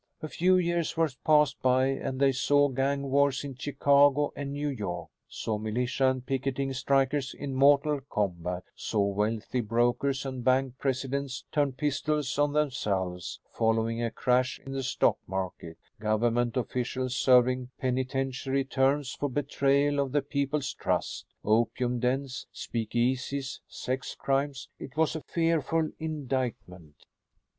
A few years were passed by and they saw gang wars in Chicago and New York; saw militia and picketing strikers in mortal combat; saw wealthy brokers and bank presidents turn pistols on themselves following a crash in the stock market; government officials serving penitentiary terms for betrayal of the people's trust; opium dens, speakeasies, sex crimes. It was a fearful indictment.